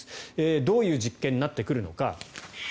どういう実験になってくるのか。